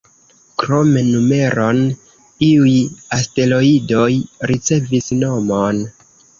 Krom numeron, iuj asteroidoj ricevis nomon.